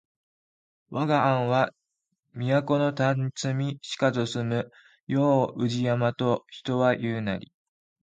わが庵は都のたつみしかぞ住む世を宇治山と人は言ふなり